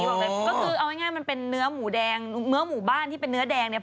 ก็คือเอาไงมันเป็นเนื้อหมูบ้านที่เป็นเนื้อแดงเนี่ย